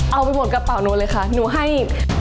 เอาไปหมดกระเป๋าหนูเลยค่ะหนูให้